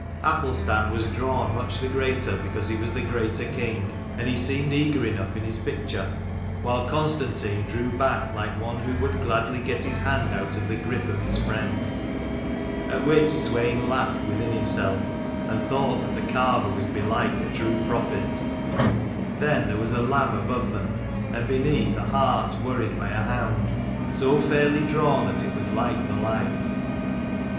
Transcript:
Athelstan was drawn much the greater because he was the greater king: and he seemed eager enough in his picture, while Constantine drew back like one who would gladly get his hand out of the grip of his friend. At which Swein laughed within himself, and thought that the carver was belike a true prophet. Then there was a lamb above them, and beneath, a hart worried by a hound, so fairly drawn that it was like the life.